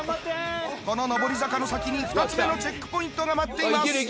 この上り坂の先に２つ目のチェックポイントが待っています。